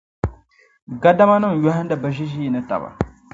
Gadamanima yɔhindi bɛ ʒiʒiinitaba.